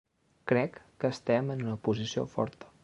Crec que estem en una posició forta